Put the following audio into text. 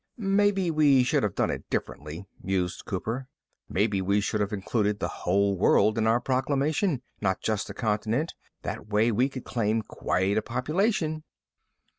"Maybe we should have done it differently," mused Cooper. "Maybe we should have included the whole world in our proclamation, not just the continent. That way, we could claim quite a population."